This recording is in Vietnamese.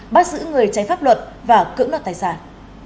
bắt giữ người trái pháp luật và cững đặt tài sản